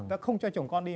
ta không cho chồng con đi